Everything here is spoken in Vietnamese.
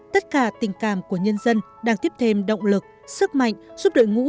tất cả tình cảm của nhân dân đang tiếp thêm động lực sức mạnh giúp đội ngũ